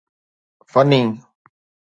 فني